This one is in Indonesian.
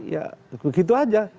ya begitu aja